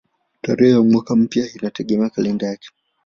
Tarehe ya mwaka mpya inategemea kalenda yake.